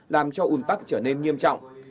làm cho un tắc trở nên nghiêm trọng